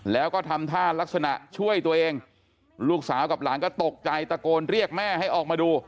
แล้วก็ทำท่ารักษณะช่วยตัวเองลูกสาวกับหลานก็ตกใจตะโกนเรียกแม่ให้ออกมาดู